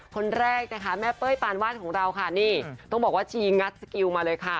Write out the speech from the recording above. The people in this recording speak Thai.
คนแรกนะคะแม่เป้ยปานวาดของเราค่ะนี่ต้องบอกว่าชีงัดสกิลมาเลยค่ะ